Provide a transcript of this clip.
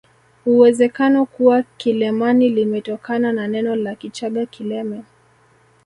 Uwezekano kuwa Kilemani limetokana na neno la Kichaga kileme